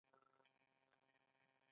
آزاد تجارت مهم دی ځکه چې خواړه تنوع زیاتوي.